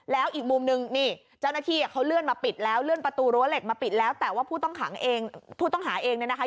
แล้วอีกมุมนึงนี่เจ้าหน้าที่เขาเลื่อนมาปิดแล้วเลื่อนประตูรั้วเหล็กมาปิดแล้วแต่ว่าผู้ต้องขังเองผู้ต้องหาเองเนี่ยนะคะ